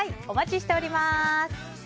お待ちしております。